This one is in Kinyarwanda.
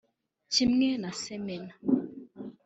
Kimwe na Semana